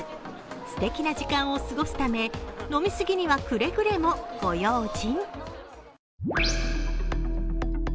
素敵な時間を過ごすため、飲み過ぎにはくれぐれもご用心。